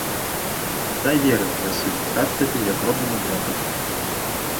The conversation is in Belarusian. Дай веры, Васіль, рад табе, як роднаму брату.